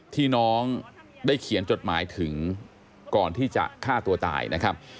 ที่น้องได้เขียนจดหมายถึงก่อนที่จะฆ่าตัวตายนะครับ